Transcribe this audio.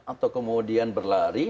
atau kemudian berlari